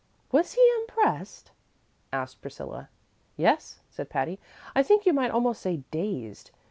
"Was he impressed?" asked Priscilla. "Yes," said Patty; "I think you might almost say dazed.